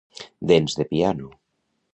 Dents de piano.